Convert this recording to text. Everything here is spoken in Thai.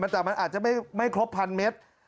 แต่มันอาจจะไม่ครบพันเมตร